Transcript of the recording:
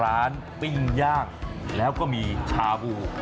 ปิ้งย่างแล้วก็มีชาบู